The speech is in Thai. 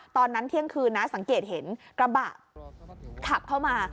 ตอนนั้นเที่ยงคืนนะสังเกตเห็นกระบะขับเข้ามา